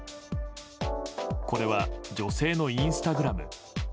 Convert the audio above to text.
これは女性のインスタグラム。